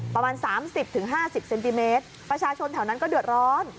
ประมาณ๓๐๕๐เซนติเมตรประชาชนแถวนั้นก็เดือดร้อน